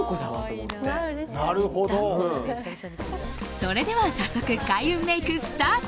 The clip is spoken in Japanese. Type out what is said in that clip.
それでは早速開運メイク、スタート！